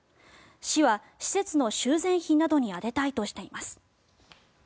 市は施設の修繕費などに充てたいとしています。